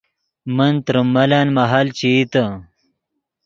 من تریم ملن مہل چے ایتے